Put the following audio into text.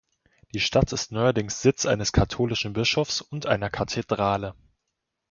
Die Stadt ist neuerdings Sitz eines katholischen Bischofs und einer Kathedrale.